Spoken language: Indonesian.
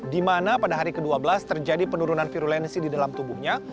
di mana pada hari ke dua belas terjadi penurunan virulensi di dalam tubuhnya